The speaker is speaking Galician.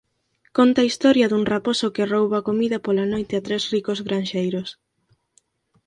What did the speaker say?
Conta a historia dun raposo que rouba comida pola noite a tres ricos granxeiros.